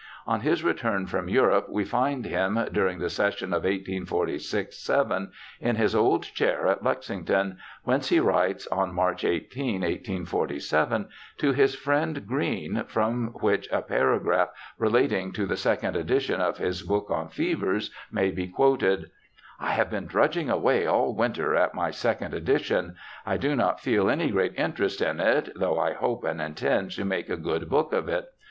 On his return from Europe we find him during the session of 1846 7 in his old chair at Lexington, whence he writes on March 18, 1847, to his friend Green, from which a paragraph relating to the second edition of his book on Fevers may be quoted :* I have been drudging away all winter at my second edition. I do not feel any great interest in it, though I hope and intend to make a good book of it.